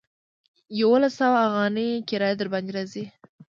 يوولس سوه اوغانۍ کرايه درباندې راځي.